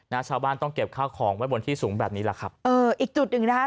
ชาวบ้านต้องเก็บข้าวของไว้บนที่สูงแบบนี้แหละครับเอออีกจุดหนึ่งนะคะ